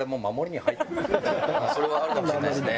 それはあるかもしれないですね